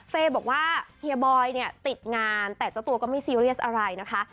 บอกว่าเฮียบอยเนี่ยติดงานแต่เจ้าตัวก็ไม่ซีเรียสอะไรนะคะ